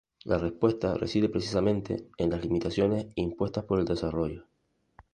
La respuesta reside, precisamente, en las limitaciones impuestas por el desarrollo.